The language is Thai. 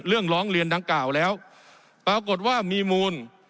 ร้องเรียนดังกล่าวแล้วปรากฏว่ามีมูล